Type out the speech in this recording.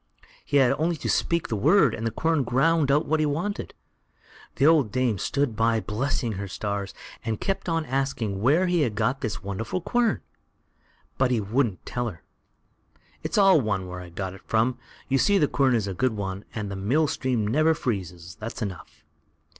He had only to speak the word, and the quern ground out what he wanted. The old dame stood by blessing her stars, and kept on asking where he had got this wonderful quern, but he wouldn't tell her. "It's all one where I got it from; you see the quern is a good one, and the mill stream never freezes, that's enough."